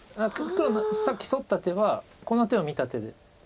黒のさっきソッた手はこの手を見た手で。